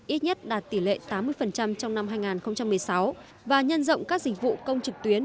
ít nhất đạt tỷ lệ tám mươi trong năm hai nghìn một mươi sáu và nhân rộng các dịch vụ công trực tuyến